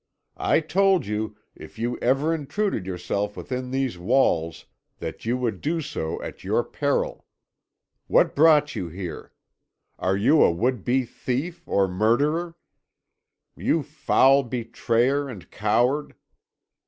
I told you, if you ever intruded yourself within these walls, that you would do so at your peril. What brought you here? Are you a would be thief or murderer? You foul betrayer and coward!